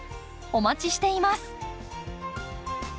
お待ちしています。